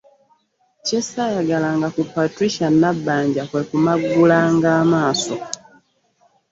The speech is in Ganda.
Kye ssaayagala ku Patricia Nabbanja kwe kumaggulanga amaaso.